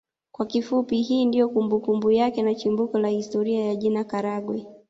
Kwa kifupi hii ndio kumbukumbu yake na chimbuko la historia ya jina Karagwe